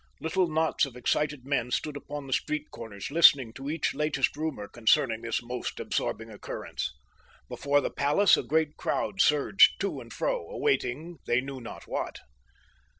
Little knots of excited men stood upon the street corners listening to each latest rumor concerning this most absorbing occurrence. Before the palace a great crowd surged to and fro, awaiting they knew not what.